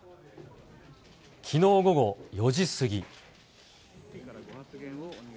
きのう午後４時過ぎ。